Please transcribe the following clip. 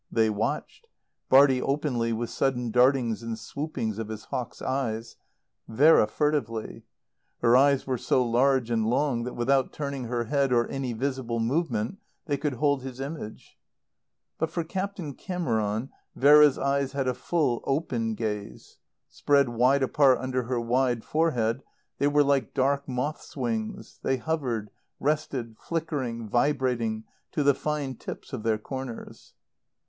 They watched; Bartie openly with sudden dartings and swoopings of his hawk's eyes; Vera furtively. Her eyes were so large and long that, without turning her head, or any visible movement, they could hold his image. But for Captain Cameron Vera's eyes had a full, open gaze. Spread wide apart under her wide forehead they were like dark moth's wings; they hovered, rested, flickering, vibrating to the fine tips of their corners.